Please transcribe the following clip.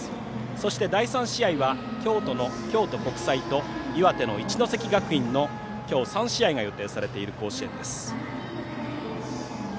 そして第３試合は京都の京都国際と岩手の一関学院の今日３試合が予定されている甲子園です。